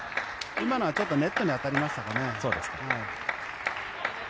今のはちょっとネットに当たりましたかね。